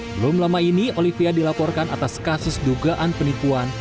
belum lama ini olivia dilaporkan atas kasus dugaan penipuan